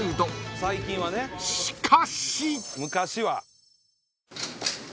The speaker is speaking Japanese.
［しかし！］